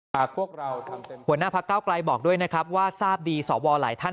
พวกเราหัวหน้าพักเก้าไกลบอกด้วยนะครับว่าทราบดีสวหลายท่าน